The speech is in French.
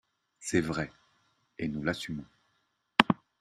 C’est vrai, et nous l’assumons